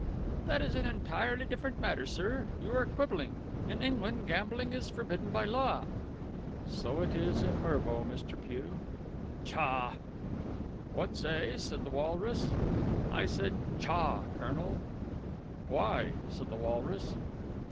"That is an entirely different matter, sir. You are quibbling. In England gambling is forbidden by law." "So it is in Mervo, Mr. Pugh." "Tchah!" "What say?" said the walrus. "I said 'Tchah!' Colonel." "Why?" said the walrus.